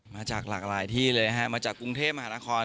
มาจากหลากหลายที่เลยฮะมาจากกรุงเทพมหานคร